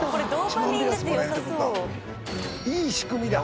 いい仕組みだ。